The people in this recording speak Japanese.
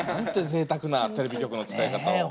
ぜいたくなテレビ局の使い方を。